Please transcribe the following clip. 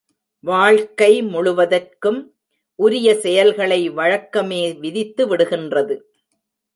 வாழ்க்கை முழுவதற்கும் உரிய செயல்களை வழக்கமே விதித்துவிடுகின்றது.